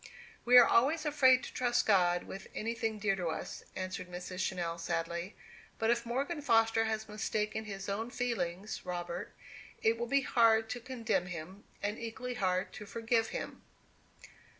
"We are always afraid to trust God with anything dear to us," answered Mrs. Channell, sadly. "But if Morgan Foster has mistaken his own feelings, Robert, it will be hard to condemn him, and equally hard to forgive him."